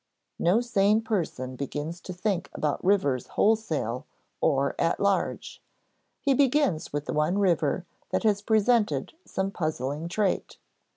No sane person begins to think about rivers wholesale or at large. He begins with the one river that has presented some puzzling trait.